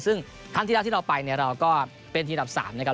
ซึ่งทั้งที่เราไปเนี่ยเราก็เป็นทีมอันดับ๓นะครับ